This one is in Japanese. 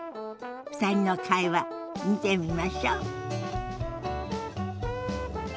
２人の会話見てみましょ。